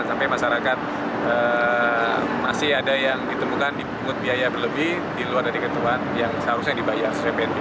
sampai masyarakat masih ada yang ditemukan dipungut biaya berlebih di luar dari ketentuan yang seharusnya dibayar pnb